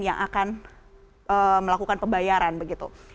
yang akan melakukan pembayaran begitu